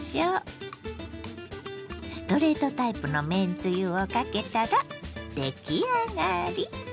ストレートタイプのめんつゆをかけたら出来上がり。